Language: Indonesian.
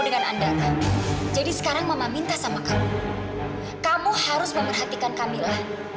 dengan anda jadi sekarang mama minta sama kamu kamu harus memperhatikan kamilah